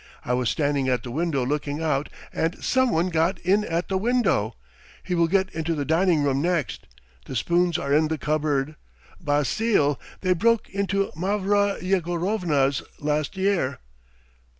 I was standing at the window looking out and someone got in at the window. He will get into the dining room next ... the spoons are in the cupboard! Basile! They broke into Mavra Yegorovna's last year."